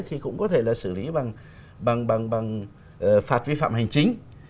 thì cũng có thể là xử lý bằng phạt vi phạm hành chính